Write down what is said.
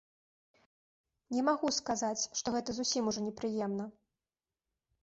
Не магу сказаць, што гэта зусім ужо непрыемна.